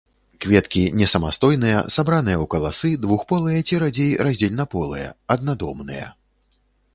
Кветкі несамастойныя, сабраныя ў каласы, двухполыя ці радзей раздзельнаполыя, аднадомныя.